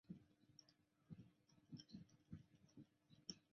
柬埔寨王家陆军是柬埔寨王家军队的一部分。